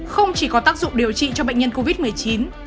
không chỉ có tác dụng điều trị cho bệnh nhân